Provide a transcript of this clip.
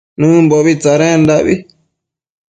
Nëmbobi tsadendabi